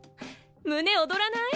胸躍らない？